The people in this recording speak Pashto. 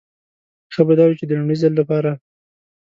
ښه به دا وي چې د لومړي ځل لپاره.